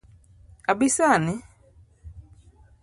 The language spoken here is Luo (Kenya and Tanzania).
Abi sani?